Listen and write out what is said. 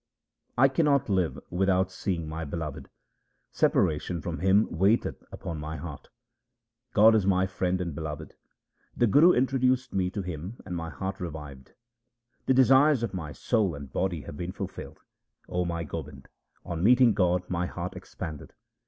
I cannot live without seeing my Beloved ; separation from Him weigheth upon my heart. God is my Friend and Beloved ; the Guru introduced me to Him and my heart revived. The desires of my soul and body have been fulfilled, O my Gobind ; on meeting God my heart expanded.